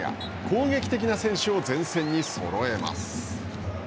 攻撃的な選手を前線にそろえます。